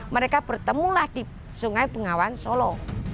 mereka bertemulah di sungai bengawan solo